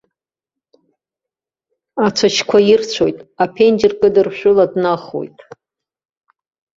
Ацәашьқәа ирцәоит, аԥенџьыркыдыршәыла днахоит.